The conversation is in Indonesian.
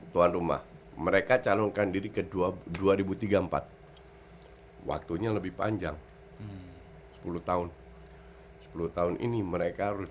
tuan rumah mereka calonkan diri ke dua dua ribu tiga puluh empat waktunya lebih panjang sepuluh tahun sepuluh tahun ini mereka harus